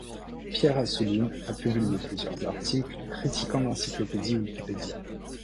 Pierre Assouline a publié plusieurs articles critiquant l'encyclopédie Wikipedia.